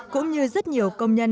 cũng như rất nhiều công nhân